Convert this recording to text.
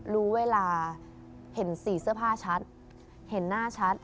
รู้เวลาเห็นสีเสื้อผ้าชัดเห็นหน้าชัด